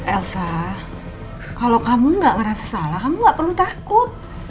elsa kalau kamu gak ngerasa salah kamu gak perlu takut